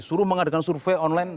suruh mengadakan survei online